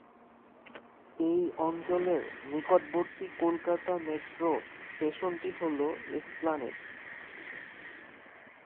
এই অঞ্চলের নিকটবর্তী কলকাতা মেট্রো স্টেশনটি হল এসপ্ল্যানেড।